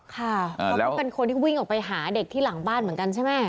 เขาก็เป็นคนที่วิ่งออกไปหาเด็กที่หลังบ้านเหมือนกันใช่ไหม